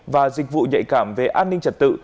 và dịch vụ nhạy cảm về an ninh trật tự